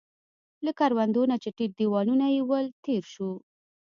له کروندو نه چې ټیټ دیوالونه يې ول، تېر شوو.